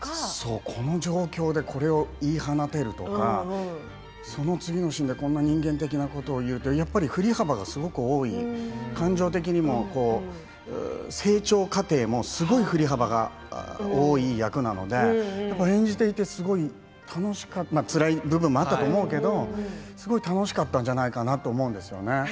この状況でこれを言い放てるとか次のシーンでこんな人間的なことを言うとか振り幅がすごく多い感情的にも成長過程も、すごい振り幅が多い役なので演じていて、すごい楽しかったつらい部分もあったと思うけれどすごい楽しかったんじゃないかなと思うんですよね。